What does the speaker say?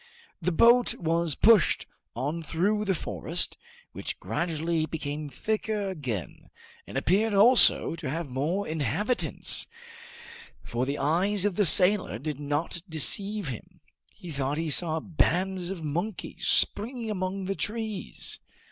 The boat was pushed on through the forest, which gradually became thicker again, and appeared also to have more inhabitants; for if the eyes of the sailor did not deceive him, he thought he saw bands of monkeys springing among the trees.